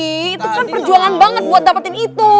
itu kan perjuangan banget buat dapetin itu